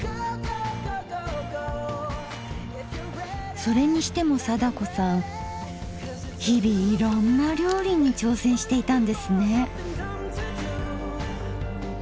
それにしても貞子さん日々いろんな料理に挑戦していたんですね。